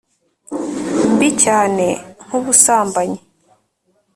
mbi cyane, nku busambanyi